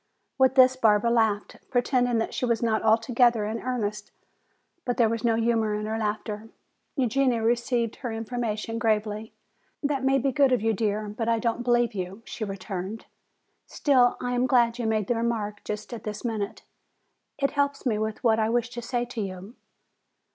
With this Barbara laughed, pretending that she was not altogether in earnest. But there was no humor in her laughter. Eugenia received her information gravely. "That may be good of you, dear, but I don't believe you," she returned. "Still I am glad you made the remark just at this minute. It helps me with what I wish to say to you.